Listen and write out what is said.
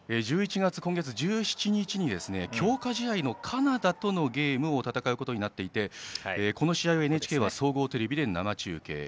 １１月１７日に強化試合のカナダとのゲームを戦うことになっていてこの試合をＮＨＫは総合テレビで生中継。